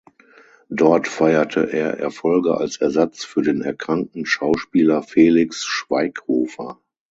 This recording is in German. Dort feierte er Erfolge als Ersatz für den erkrankten Schauspieler Felix Schweighofer.